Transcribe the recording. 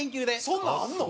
そんなんあんの？